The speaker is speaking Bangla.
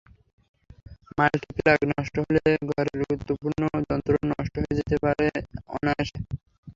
মাল্টি প্লাগ নষ্ট হলে ঘরের গুরুত্বপূর্ণ যন্ত্রও নষ্ট হয়ে যেতে পারে অনায়াসে।